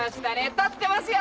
撮ってますよ。